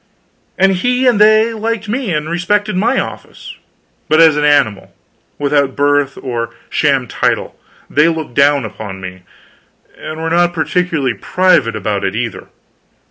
And he and they liked me, and respected my office; but as an animal, without birth or sham title, they looked down upon me and were not particularly private about it, either.